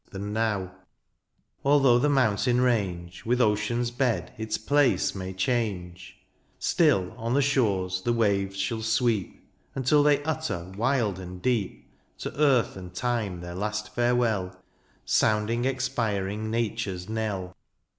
Than now ; although the mountain range 92 DIONYSIUS, With ocean^s bed its place may change ; Still on the shores the waves shall sweep. Until they utter wild and deep. To earth and time their last farewell. Sounding expiring nature^s knell.